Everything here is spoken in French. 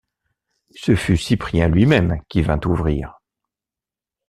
Ce fut Cyprien lui-même qui vint ouvrir.